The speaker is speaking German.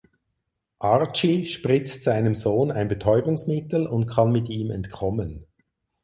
Archie spritzt seinem Sohn ein Betäubungsmittel und kann mit ihm entkommen.